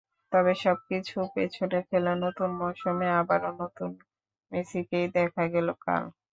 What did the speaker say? তবে সবকিছু পেছনে ফেলে নতুন মৌসুমে আবারও নতুন মেসিকেই দেখা গেল কাল।